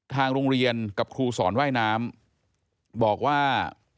ทางโรงเรียนกับครูสอนว่ายน้ำบอกว่า